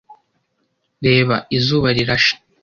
Reba! izuba rirashe!